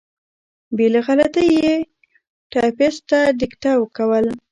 بې له غلطۍ یې ټایپېسټ ته دیکته کول.